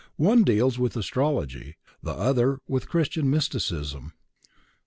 One deals with Astrology, the other with Christian Mysticism.